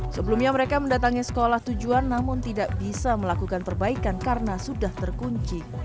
sebelumnya mereka mendatangi sekolah tujuan namun tidak bisa melakukan perbaikan karena sudah terkunci